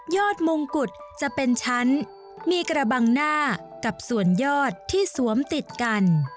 มงกุฎจะเป็นชั้นมีกระบังหน้ากับส่วนยอดที่สวมติดกัน